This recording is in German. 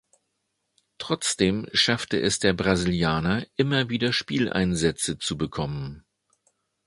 Trotzdem schaffte es der Brasilianer, immer wieder Spieleinsätze zu bekommen.